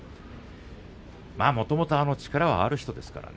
もともと力はある人ですからね。